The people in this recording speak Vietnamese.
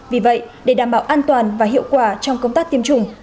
vì vậy để đảm bảo an toàn và hiệu quả trong công tác tiêm chủng